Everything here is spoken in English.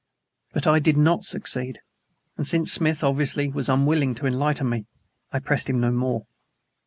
But I did not succeed, and since Smith obviously was unwilling to enlighten me, I pressed him no more.